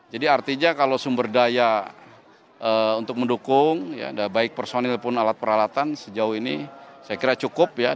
jadi artinya kalau sumber daya untuk mendukung ya baik personil pun alat peralatan sejauh ini saya kira cukup ya